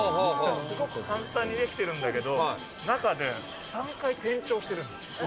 すごく簡単に出来てるんだけど、中で、３回転調してるんです。